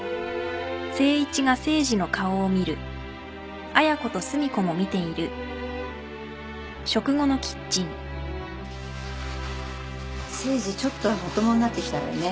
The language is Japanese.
誠治ちょっとはまともになってきたわよね。